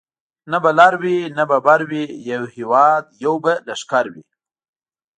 نه به لر وي نه به بر وي یو هیواد یو به لښکر وي